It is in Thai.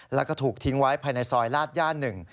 แล้วก็ถูกทิ้งไว้ภายในซอยลาดย่านหนึ่ง